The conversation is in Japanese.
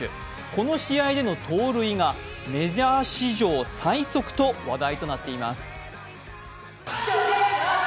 この試合での盗塁がメジャー史上最速と話題になっています。